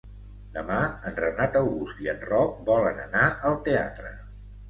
Demà en Renat August i en Roc volen anar al teatre.